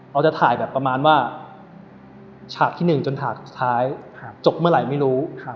เราจะถ่ายแบบประมาณว่าฉากที่๑จนฉากสุดท้ายจบเมื่อไหร่ไม่รู้